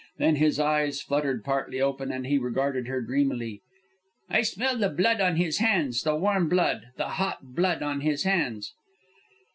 Then his eyes fluttered partly open and he regarded her dreamily. "I smell the blood on his hands, the warm blood, the hot blood on his hands."